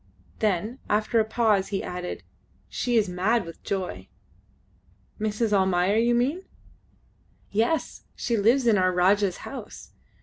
Then, after a pause, he added, "She is mad with joy." "Mrs. Almayer, you mean?" "Yes, she lives in our Rajah's house.